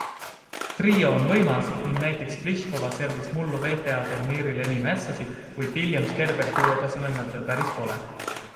Trio on võimas ning näiteks Pliškova servis mullu WTA-tuuril enim ässasid, kuid Willams-Kerber duo tasemel nad veel päris pole.